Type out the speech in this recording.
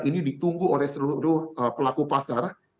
ini ditunggu oleh seluruh pelaku pasar